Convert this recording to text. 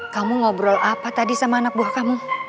kamu ngobrol apa tadi sama anak buah kamu